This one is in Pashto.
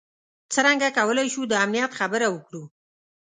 څرنګه کولای شو د امنیت خبره وکړو.